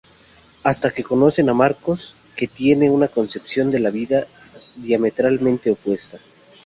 Hasta que conocen a Marcos, que tiene una concepción de la vida diametralmente opuesta.